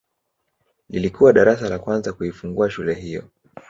Lilikuwa darasa la kwanza kuifungua shule hiyo